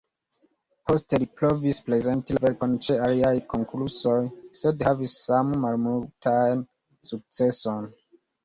Poste li provis prezenti la verkon ĉe aliaj konkursoj, sed havis same malmultan sukceson.